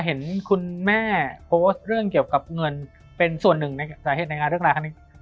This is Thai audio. เห็นคุณแม่โพสต์เรื่องเกี่ยวกับเงินเป็นส่วนหนึ่งในสาเหตุในงานเรื่องราวครั้งนี้